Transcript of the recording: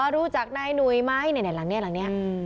รู้จักใอนุยไหมไหนหลังเนี่ย